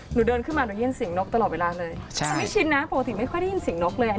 หนูเดินขึ้นมาหนูยินเสียงนกตลอดเวลาเลยใช่แต่ไม่ชินนะปกติไม่ค่อยได้ยินเสียงนกเลยอ่ะ